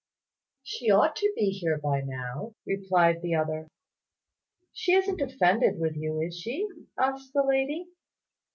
"She ought to be here by now," replied the other. "She isn't offended with you; is she?" asked the lady.